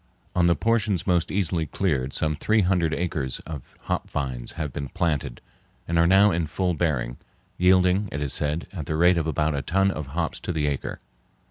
On the portions most easily cleared some three hundred acres of hop vines have been planted and are now in full bearing, yielding, it is said, at the rate of about a ton of hops to the acre.